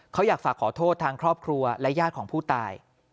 เขาอยากฝากขอโทษทางครอบครัวและญาติของผู้ตาย